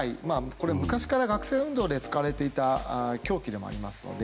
これは昔から学生運動で使われていた凶器でもありますので。